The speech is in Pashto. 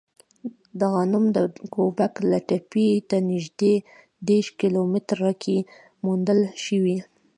دغه غنم د ګوبک لي تپې ته نږدې دېرش کیلو متره کې موندل شوی.